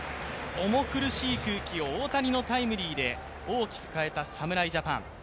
重苦しい空気を大谷のタイムリーで大きく変えた侍ジャパン。